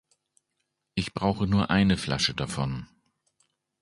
Ich brauche nur eine Flasche davon.